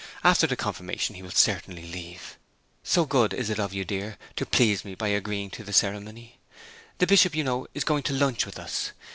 After the confirmation he will certainly leave. So good it is of you, dear, to please me by agreeing to the ceremony. The Bishop, you know, is going to lunch with us.